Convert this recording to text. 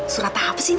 surata apa sih ini